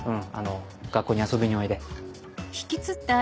学校に遊びにおいで。